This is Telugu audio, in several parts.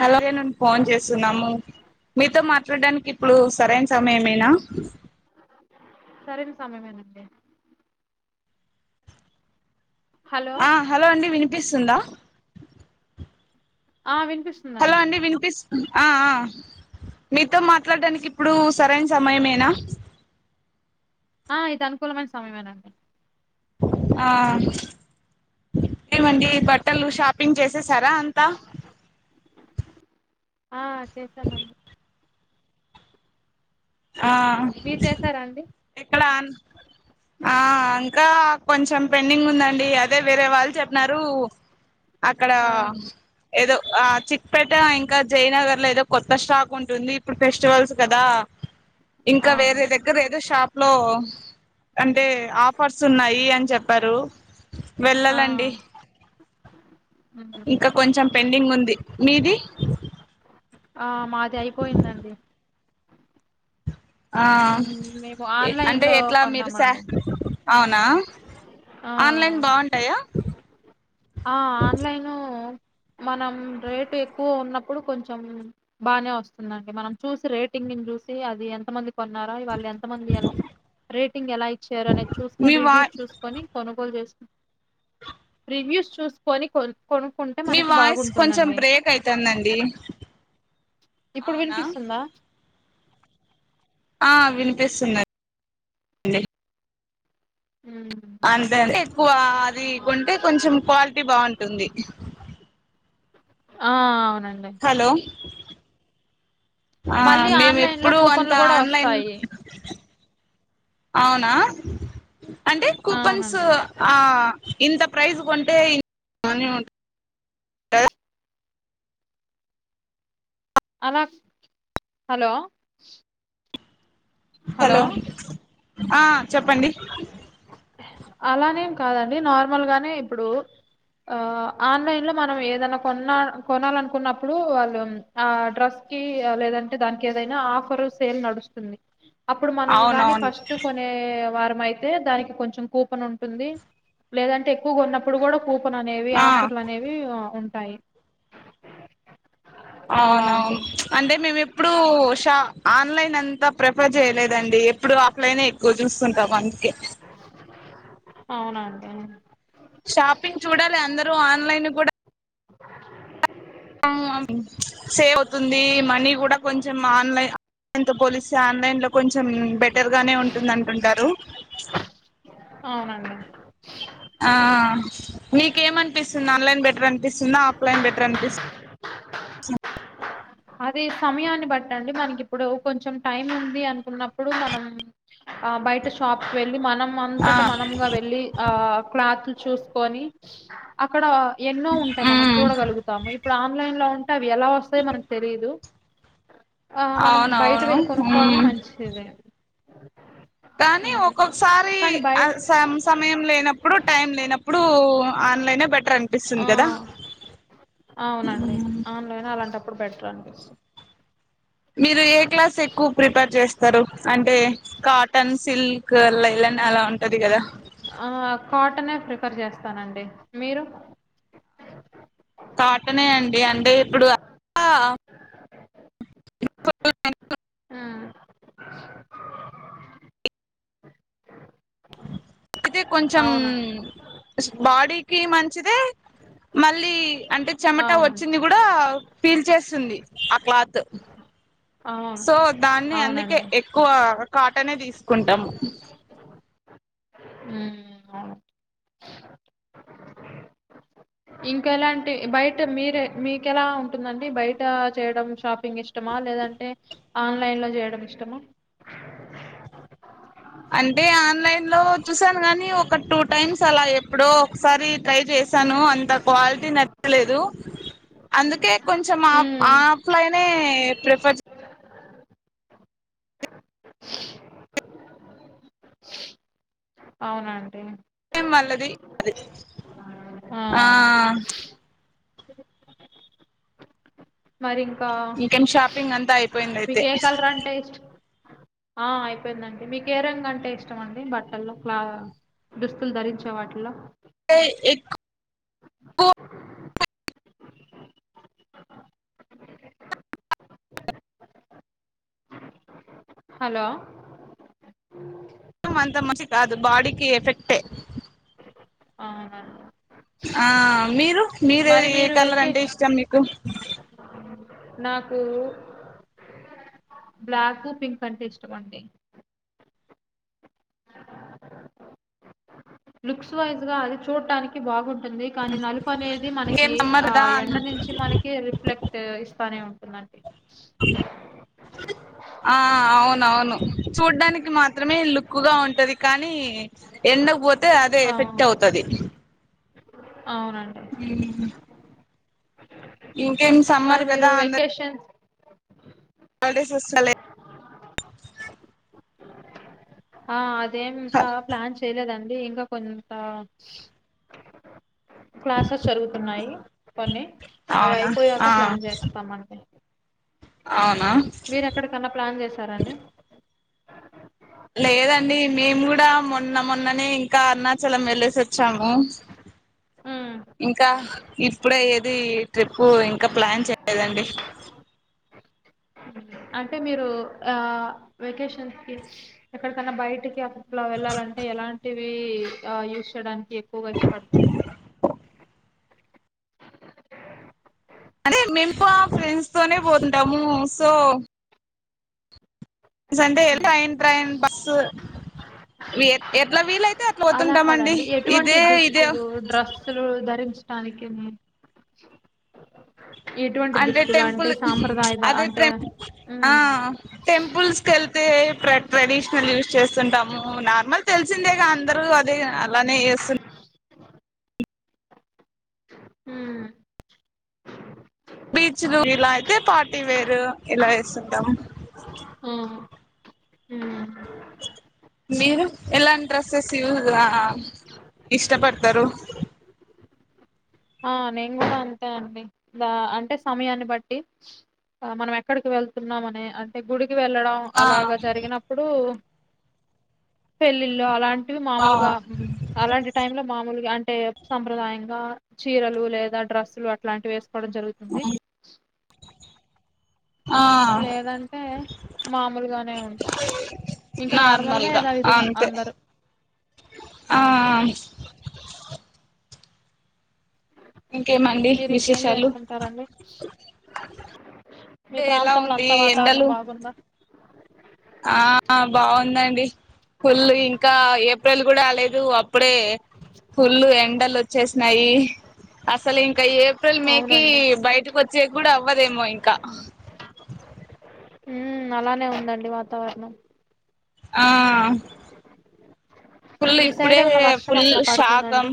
హలాగే నను ఫోన్ చేస్తున్నాము మీతో మాట్లాడడానికి ఇప్పుడు సరైన సమయం ఏమేనా సరైనా సమయమేనండి హలో ఆ హలో అండి వినిపిస్తుందా ఆ విన హలో పిస్తుందండి అండి వినిపిస్ ఆ మీతో మాట్లాడడానికి ఇప్పుడు సరైన సమయేనా ఆ ఇది అనుకూలమైన సమయేనండి ఆ ఏమండి బట్టలు షాపింగ్ చేసేసారా అంతా ఆ చేశామండి ఆ మీరు చేసారా అండి ఎక్కడ ఆ ఇంకా కొంచెం పెండింగ్ ఉందండి అదే వేరే వాళ్ళు చెప్పినారు అక్కడ ఆ ఏదో ఆ చిక్పేట ఇంకా జయనగర్ లో ఏదో కొత్త స్టాక్ ఉంటుంది ఇప్పుడు ఫెస్టివల్స్ కదా ఇంకా వేరే అవునండి దగ్గర ఏదో షాప్ లో అంటే ఆఫర్స్ ఉన్నాయి అని చెప్పారు ఆ వెళ్ళాలండి మ్మ్ ఇంకా కొంచెం పెండింగ్ ఉంది మీది ఆ మాది అయిపోయిందండి ఆ మ్మ్ మేము ఆన్లైన్ అంటే లో ఎట్లా మీరు స కొన్నామండి అవును నా ఆ ఆన్లైన్ బాగుంటాయా ఆ ఆన్లైను మనం రేటు ఎక్కువ ఉన్నప్పుడు కొంచెం బాగానే వస్తుందండి మనం చూసి రేటింగ్ని చూసి అది ఎంత మంది కొన్నారా వాళ్ళు ఎంత మంది రేటింగ్ ఎలా ఇచ్చారు అనేది మీ చూసుకొని వాయి రివ్యూస్ చూసుకొని కొనుగోలు చే చూసుకోని కొ కొనుక్కుంటే మీ మనకి వాయిస్ కొంచెం బాగుంటుందండి బ్రేక్ అవుతుందండి ఇప్పుడు అవునా వినిపిస్తుందా వినిపిస్తున్నా హ్మ్. అంతే అంతే ఎక్కువ అది ఉంటే కొంచెం క్వాలిటీ బాగుంటుంది ఆను హలో ఆ మళ్ళీ మేము ఆన్లైన్ లో ఎప్పుడు అంత కూపన్లు కూడా ఆన్లైన్ వస్తాయి అవునా అంటే కూపన్స్ అవునండి ఆ ఇంత ప్రైస్ కొంటే అలా హలో హలో ఆ చెప్పండి అలానేం కాదండి నార్మల్ గానే ఇప్పుడు ఆ ఆన్లైన్ లో మనం ఏదైనా కొన్నా కొనాలనుకున్నప్పుడు వాళ్ళు ఆ డ్రెస్ కి లేదంటే దానికి ఏదైనా ఆఫర్ సేల్ నడుస్తుంది ఇ అప్పుడు మనం గాని అవునవును ఫస్ట్ కొనే వారం అయితే దానికి కొంచెం కూపన్ ఉంటుంది లేదంటే ఎక్కువగా ఉన్నప్పుడు కూడా కూపన్ అనేవి ఆ, ఆఫర్లు అనేవి ఉంట ఫై అవునవును అంటే మేము ఇప్పుడు షా ఆన్లైన్ అంతా ప్రిఫర్ చేయలేదండి ఎప్పుడు ఆఫ్లైన్ ఎక్కువ చూస్తుంటాం అందుకే అవునండి షాపింగ్ చూడాలి అందరు ఆన్లైన్ కూడా సేవ్ అవుతుంది మనీ కూడా కొంచెం ఆన్లైన్ ఆన్లైన్తో పోలిస్తే ఆన్లైన్ లో కొంచెం బెటర్గానే ఉంటుంది అంటుంటారు అవునండి ఆ నీకేమనిపిస్తుంది ఆన్లైన్ బెటర్ అనిపిస్తుందా ఆఫ్లైన్ బెటర్ అనిపిస్తుందా అదే సమయాన్ని బట్ట అండి మనకి ఇప్పుడు కొంచెం టైం ఉంది అనుకున్నప్పుడు మనం ఆ బయట షాప్ వె మనం ఆ అంతట మనగా వెళ్ళి ఆ క్లాత్ చూసుకొని అక్కడ ఎన్నో ఉంటాయి మనం ఉమ్ చూడగలుగుతాము ఇప్పుడు ఆన్లైన్ లో ఉ అవి ఎలా వస్తాయి మనకి తెరిదు ఆ మనం బయట అవునవును వెళ్ళి కొనుక్కోవడమే ఉమ్ మంచిది కానీ హ్మ్. ఒక్కొక్కసారి కానీ బయట స సమయం లేనప్పుడు టైం లేనప్పుడు ఆన్లైనే బెటర్ అనిపిస్తుంది ఆ కదా అవునండి ఆన్లోైన అలాంటప్పుడు పెట్ట టస్ మీరు ఏ క్లాస్ ఎక్కువ ప్రిపేర్ చేస్తారు అంటే కాటన్ సిల్క్ అలా ఇలానే అలా ఉంటుంది కదా ఆ కాటనే ప్రిఫర్ చేస్తానండి మీరు కాటనే అండి అంటే ఇప్పుడు ఆ అయితే కొంచెం అవును బాడీకి మంచిదే మళ్ళీ అంటే చెమట అవును వచ్చింది కూడా ఫిల్ చేస్తుంది ఆ క్లాత్ అవును సో దాన్ని అందుకే అవునండి. ఎక్కువ కాటనే తీసుకుంటాము ఉ ఇంకా ఎలాంటి బయట మీరే మీకెలా ఉంటుందండి బయట చేయడం షాప్ ఫింగ్ ఇష్టమా లేదంటే ఆన్లైన్లో చేయడం ఇష్టమా అంటే ఆన్లైన్లో చూసాను కానీ ఒక టూ టైమ్స్ అలా ఎప్పుడో ఒకసారి ట్రై చేశాను అంత క్వాలిటీ నచ్చలేదు అందుకే కొంచెం ఆ హ్మ్. ఆఫ్లైనే ప్రిఫర్ అవునండి ఏ మల్లది ఆ మరి ఇంకా ఇంకేం షాపింగ్ అంతా అయిపోయింది అయితే మీకే ఎ కాలర్ అంటే ఇష్టం ఆ అయిపోయిందండి మీకే ఏ రంగు అంటే ఇష్టం అండి బట్టల్లో క్లా దుస్తులు ధరించే వాటిల్లో ఏ ఇప్పు హలో అ అంత మషి కాదు బాడికి ఎఫెక్టే అవునండి. ఆ మీరు మీరే మరి ఏ మీరు కలర్ అంటే వెకేష్ ఇష్టం మీకు నాకు బ్లాక్ పింక్ అంటే ఇష్టం అండి లుక్స్ వైజ్ గా అది చూడటానికి బాగుం టుంది కానీ నలుపు అనేది ఏం మనకి సమ్మర్ ఆ కదా ఎండ నుంచి మనకి రిఫ్లెక్ట్ ఇస్తానే ఉంటుంద అండి ఆ అవును అవును చూడ్డానికి మాత్రమే లుక్గా ఉంటది కానీ ఎండక్ పోతే తే అదే ఆ ఎఫెక్ట్ అవుతది అవునండి ఇంకేం సమ్మర్ మరి మీరు కదా అందరు వెకేషన్స్ పడే సోస్తలే ఆ అ అదేం ఇంకా ప్లాన్ చేయలేదండి అండి ఇంకా కొంతా క్లాసెస్ జరుగుతున్నాయి కొని అవి అవునా అయిపోయాక ప్లాన్ చేస్తామండి అవును మీరు ఎక్కడికన్నా ప్లాన్ చేసారండి అ లేదండి మేము కూడా మొన్న మొన్ననే ఇంకా అరుణాచలం వెళ్ళసి వచ్చాము ఉమ్ ఇంక రెప్పుడైయేది ట్రిప్పు ఇంకా ప్లాన్ చేయలేదండి అంటే మీరు ఆ వెకేషన్స్ కి ఎక్కడకన్న బయటికి అ అట్ల వెళ్లాలంటే ఎలాంటివి ఇవి ఆ యూజ్ చేయడానికి ఎక్కువ ఇష్టపడతారు అదే మేమ్ కూడా ఫ్రెండ్స్ తోనే పోతుంటాము so Sunday train train bus వి ఎట్ల వీలయి అలా కదండి ఎటువంటి దుస్తులు డ్రస్సులు ధరించ కాలికేమయింది అంటే టెంపుల్ బ- అదే అంటే ట్రె ఉమ్ టెంపుల్స్ కెల్పి అదే ట్రెడిషనల్ యూస్ చేస్తుంటాము నార్మల్ తెలిసిందేగా అందరూ అదే అలానే ఎస్తు ఉమ్ బీచ్లు ఇలా అయితే పార్టీ వేర్ ఇలా వేస్తుంటామ్ ఉమ్ ఉమ్. మీరు ఎలాంటి డ్రెస్సెస్ ఇ ఇష్టపడతారు ఆ నేను కూడా అంతే అండి ఇదా అంటే సమయాన్ని బట్టి మనం ఎక్కడికి వెళ్తున్నామ్ అని అంటే గుడి వెళ్ళడం ఆ అలాగ జరిగినప్పుడు పెళ్ళి ల్లోఅలాంటి ఆ మాముల్గా మ్ అలాంటి టైమ్ లో మాముల్గా టె సాంప్రదాయంగ చీరలు లేద డ్రస్సులు అట్లాంటివి వేసు ఇక్కడ జరుగుతుంది ఆ లేదంటే మామూల్గానే ఉంట ఇంకా నార్మల్గా ఏదా విదిగా అందరూ ఆ ఇంకేమండి మీరు ఇంకేం విశేషాలు చేస్తుంటారండి మీ ఎలా ప్రాంతంలో ఉంది అంతా వాతావరణం ఎండలు బాగుంద ఆ బావున్ అవునండి పల్లు ఇంకా ఏప్రిల్ కూడా రాలేదు అప్పుడే పల్లు ఎండలు వచ్చేసినాయి అసలు ఇంకా ఏ ఏప్రెల్ మే కి అవునండి బయటకు వచ్చే కూడ అవ్వదేమో ఇంక మ్ అలానె ఉందండి వాతావరణం ఆ ఫుల్ మీ సైడ్ ఇప్పుడే ఏమన్నా వర్షం ఫుల్ అట్లా షాకం పడుతుందండి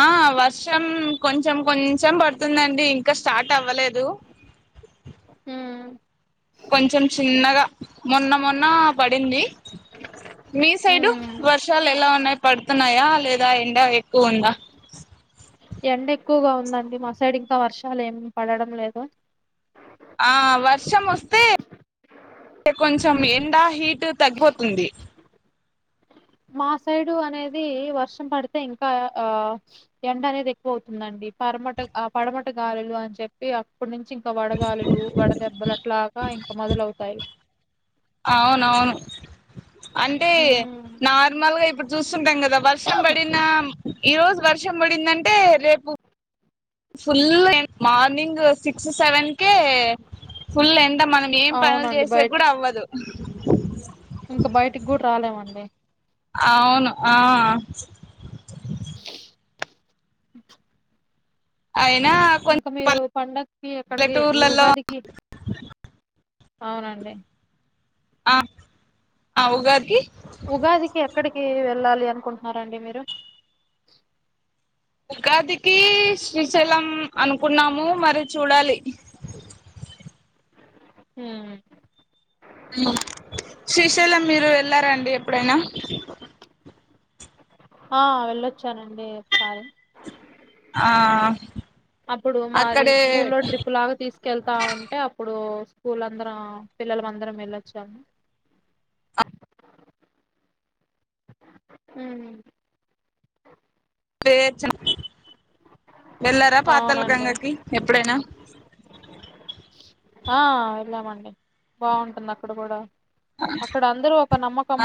ఆ వ చం కొంచెం కొంచెం పడుతుందండి ఇంకా స్టార్ట్ అవ్వలేదు ఉయ్ కొంచెం చిన్నగ మొన్న మొన్న పడింది మీ సైడు ఉమ్ వర్షాలు ఎలా ఉన్నాయి పడుతున్నాయా లేదా ఎండ ఎక్కువ ఉంద ఎండ ఎక్కువగా ఉందండి మా సైడ్ ఇంక వర్షాలు ఏం పడడం లేదు ఆ వర్షం వస్తే కొంచెం ఎండ హీట్ తగ్గిపోతుంది మా సైడు అనేది వర్షం పడితె ఇంకా ఆ ఎండ అనేది ఎక్కువ అవుతుందండి పరమట ఆ పడమట గాలులు అని చెప్పి ఇప్పటి నుంచి ఇంక వడగాలులు వడదెబ్బలు అట్లాగ ఇంక మొదలవుతాయి అవునవును అంటే ఉమ్ నార్మల్గా ఇప్పుడు ఉంటాం కదా వర్షం పడిన ఈ రోజు వర్షం పడిందంటే రేపు ఒ ఫుల్ ఎన్ మార్నింగ్ సిక్ సెవెన్ కే ఫుల్ ఎండ మనం ఏం పనులు అవునండి చేసే బయట కూడా అవ్వదు. మే అవును ఆ [unintelligible] అయినా ఇంకా కొంచెం మీరు పండక్కి ఎక్కడికి ఈ పల్లెటూర్లలో ఉగాదికి అవునండి. ఆ ఆ ఉగాది ఉగాదికి ఎక్కడికి వెళ్ళాలి అనుకుంటున్నారండి మీరు. ఉగాదికి శ్రీశైలం అనుకున్నాము. మరి చూడాలి మ్ ఊ శ్రీశైలం మీరు వెళ్లారండి ఎప్పుడైనా? ఆ వెళ్ళొచ్చానండి ఒకసారి ఆ అప్పుడు మాది అక్కడే స్కూల్ లో ట్రిప్ లాగా తీసుకెళ్తా ఉంటే అప్పుడు స్కూల్ అందరం, పిల్లలు అందరం వెళ్ళొచ్చాము. ఊ వే చ వెళ్ళారా పాతళ అవునండి గంగకి ఎప్పుడైనా ఆ వెళ్ళామండి బాగుంటుంది. అక్కడ కూడా అక్కడ అందరూ ఒక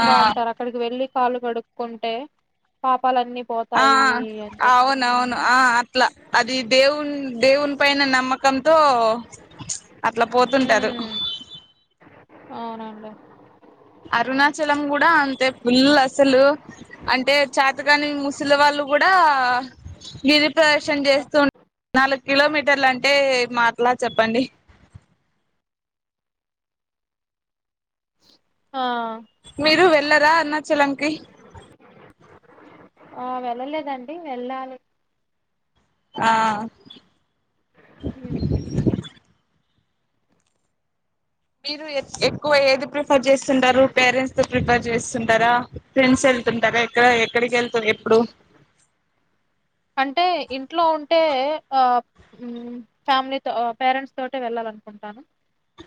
ఆ ఉంటారు. అక్కడికి వెళ్ళి కాలు కడుక్కుంటే పాప పాపలన్నీ పోతాయి అని చెప్పి అవున, అవును ఆ అట్లా అది దేవు దేవుని పైన నమ్మకంతో అట్లా పోతుంటారు. హ్మ్. అవునండి అరుణాచలం కూడా అంతే ఫుల్ అసలు అంటే చేతగాని ముసలి వాళ్ళు కూడా గిరిప్రధక్షణ ఆ చేస్తూ న కిలోమీటర్లు అంటే మాట్లా చెప్పండి. [inaudible] మీరు వె ఎలరా అన్న శ్రీలంకి ఆ వెళ్ళలేదండి వెళ్ళాలి ఆ హ్మ్. మీరు ఎత్ ఎక్కువ ఏది ప్రిఫర్ చేస్తుంటారు పేరెంట్స్ ప్రిఫర్ చేస్తుంటారా, ఫ్రెండ్స్ వెళ్తుంటారా ఎక్కడ ఎక్కడికి వె ఎప్పుడు అంటే ఇంట్లో ఉంటే ఆ హ్మ్ ఫ్యామిలీతో ఆ పేరెంట్స్ తోటే వెళ్ళాలనుకుంటాను.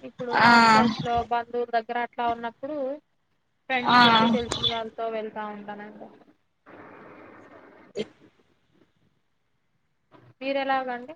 ఇప్పుడు ఆ హాస్టల్స్ లో బంధవుల దగ్గర ఇట్లా ఉన్నప్పుడు ఫ్రెండ్స్ తోటి ఆ తెలిసిన వాళ్ళతో వెల్ అవ్ను బలంగా అ మీర ఎలాగండి